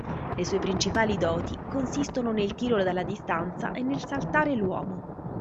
Le sue principali doti consistono nel tiro dalla distanza e nel saltare l’uomo.